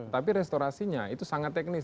tapi restorasinya itu sangat teknis